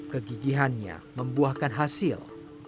kegigihannya membuahkan hasil